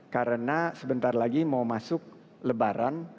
karena sebentar lagi mau masuk lebaran